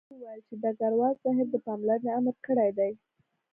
عسکر وویل چې ډګروال صاحب د پاملرنې امر کړی دی